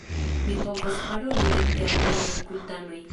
Mi povas paroli rekte al miaj kultanoj